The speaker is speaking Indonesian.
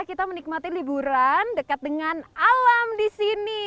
kita menikmati liburan dekat dengan alam di sini